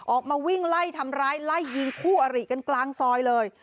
ออกมาวิ่งไล่ทำร้ายไล่ยิงคู่อริกันกลางซอยเลย